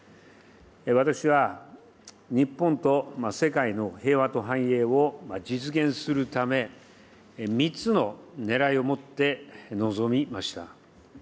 私は、日本と世界の平和と繁栄を実現するため、３つのねらいをもって臨みました。